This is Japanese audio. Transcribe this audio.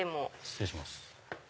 失礼します